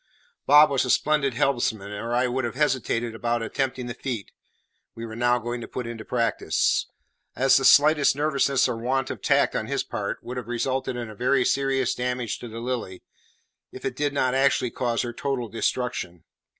Bob was a splendid helmsman, or I should have hesitated about attempting the feat we were now going to put in practice, as the slightest nervousness or want of tact on his part would have resulted in very serious damage to the Lily, if it did not actually cause her total destruction.